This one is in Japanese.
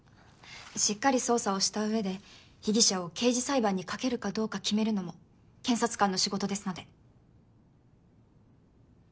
しっかり捜査をした上で被疑者を刑事裁判にかけるかどうか決めるのも検察官の仕事ですので。